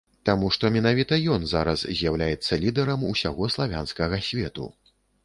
Таму што менавіта ён зараз з'яўляецца лідэрам усяго славянскага свету.